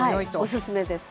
おすすめです。